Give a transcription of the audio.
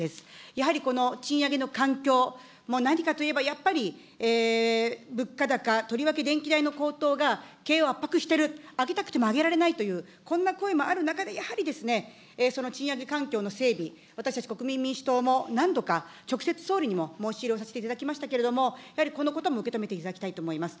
やはりこの賃上げの環境、何かといえばやっぱり、物価高、とりわけ電気代の高騰が経営を圧迫している、上げたくても上げられないという、こんな声もある中で、やはりその賃上げ環境の整備、私たち国民民主党も、何度か直接総理にも申し入れをさせていただきましたけれども、やはりこのことも受け止めていただきたいと思います。